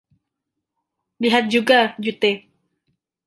Lihat juga Jute.